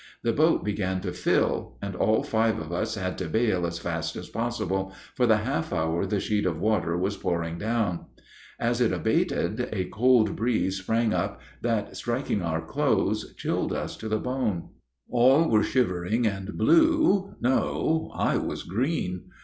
The boat began to fill, and all five of us had to bail as fast as possible for the half hour the sheet of water was pouring down. As it abated a cold breeze sprang up that, striking our clothes, chilled us to the bone. All were shivering and blue no, I was green.